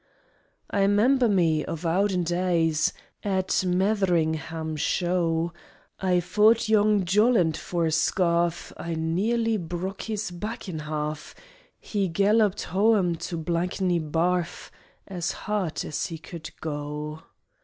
I 'member me of owden daays: At Metheringham Show: I fought young Jolland for a scarf, I nearly brok his back in half; He galloped hooam to Blankney Barff As hard as he could go.